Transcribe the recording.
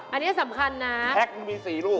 อันนี้สำคัญนะแพ็คมันมี๔ลูก